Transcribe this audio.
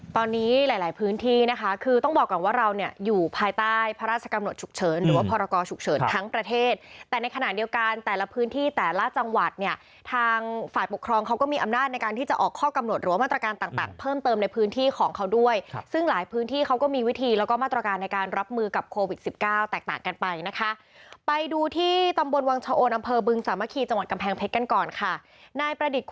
ตอนนี้หลายพื้นที่นะคะคือต้องบอกกันว่าเราเนี่ยอยู่ภายใต้พระราชกำหนดฉุกเฉินหรือพรกรฉุกเฉินทั้งประเทศแต่ในขณะเดียวกันแต่ละพื้นที่แต่ละจังหวัดเนี่ยทางฝ่ายปกครองเขาก็มีอำนาจในการที่จะออกข้อกำหนดหรือมาตรการต่างเพิ่มเติมในพื้นที่ของเขาด้วยซึ่งหลายพื้นที่เขาก็มีวิธีแล้วก็มาตร